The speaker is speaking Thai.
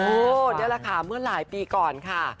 อู้วเดี๋ยวล่ะค่ะเมื่อหลายปีก่อนค่ะ